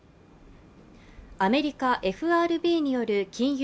アメリカＦＲＢによる金融